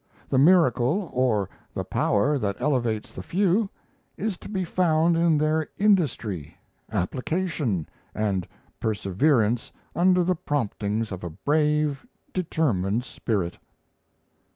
The miracle, or the power that elevates the few, is to be found in their industry, application, and perseverance under the promptings of a brave, determined spirit.